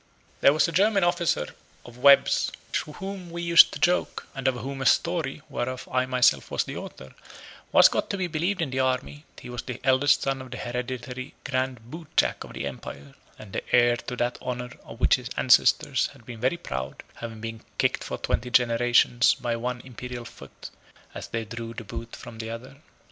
There was a German officer of Webb's, with whom we used to joke, and of whom a story (whereof I myself was the author) was got to be believed in the army, that he was eldest son of the hereditary Grand Bootjack of the Empire, and the heir to that honor of which his ancestors had been very proud, having been kicked for twenty generations by one imperial foot, as they drew the boot from the other.